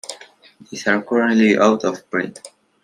These are currently out of print.